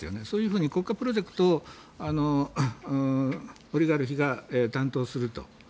そういうふうに国家プロジェクトをオリガルヒが担当すると。